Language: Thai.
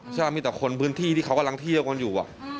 มีแต่คนพื้นที่ที่เขากำลังเที่ยวกันอยู่